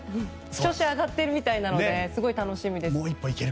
調子、上がっているみたいなのですごい楽しみです。